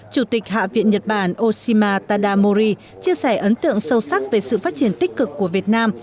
chủ tịch hạ viện nhật bản oshima tada mori chia sẻ ấn tượng sâu sắc về sự phát triển tích cực của việt nam